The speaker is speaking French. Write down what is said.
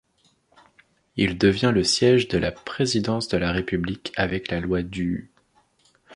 Il devient le siège de la présidence de la République avec la loi du.